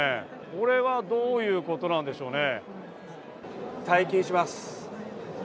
これはどういうことなんでしょうね。